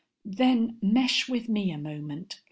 _Then mesh with me a moment.